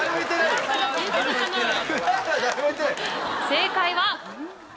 正解は。